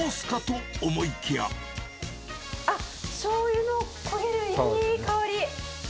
あっ、しょうゆの焦げるいい香り。